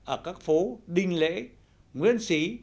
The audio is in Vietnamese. ở các phố đinh lễ nguyễn xí